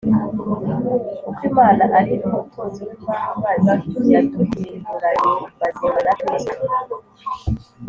kuko Imana ari umutunzi w’imbabazi yaduhinduranye bazima na Kristo.